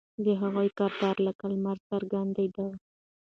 د هغې کردار لکه لمر څرګندېده.